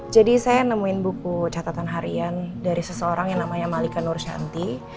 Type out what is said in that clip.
jadi saya nemuin buku catatan harian dari seseorang yang namanya malika nur syanti